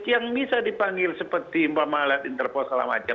yang bisa dipanggil seperti mpamalat interpol selama jam